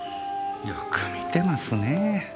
よく見てますねぇ。